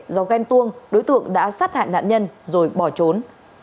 do ghen tuông đối tượng đã sát hại nạn nhân rồi bỏ trốn